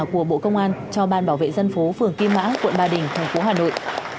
của bộ công an cho ban bảo vệ dân phố phường kim mã quận ba đình thành phố hà nội